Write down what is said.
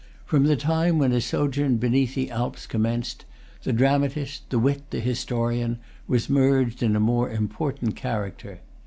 From the time when his sojourn beneath the Alps commenced, the dramatist, the wit, the historian, was merged in a more important character.